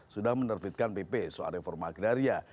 sudah menerbitkan pp soal reforma agraria